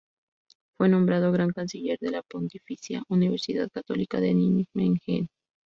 Fue nombrado Gran Canciller de la Pontificia Universidad Católica de Nijmegen.